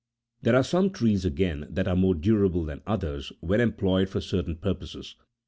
There are some trees, again, that are more durable than others, when employed for certain purposes.